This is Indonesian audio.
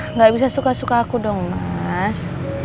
nggak bisa suka suka aku dong mas